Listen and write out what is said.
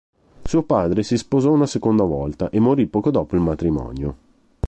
Suo padre si sposò una seconda volta e morì poco dopo il matrimonio.